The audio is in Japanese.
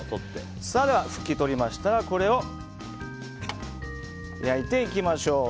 拭き取りましたら焼いていきましょう。